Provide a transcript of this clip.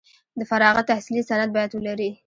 د فراغت تحصیلي سند باید ولري.